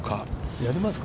やりますか？